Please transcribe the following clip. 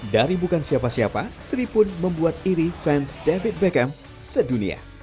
dari bukan siapa siapa sri pun membuat iri fans david beckham sedunia